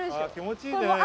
あ気持ちいいね。